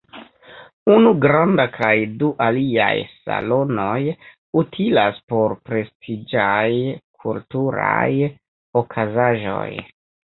Unu granda kaj du aliaj salonoj utilas por prestiĝaj kulturaj okazaĵoj.